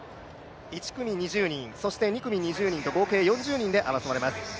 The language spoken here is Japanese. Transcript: １組２０人、２組２０人と合計４０人で争われます。